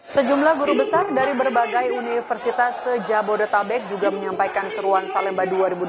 sejumlah guru besar dari berbagai universitas sejabodetabek juga menyampaikan seruan salemba dua ribu dua puluh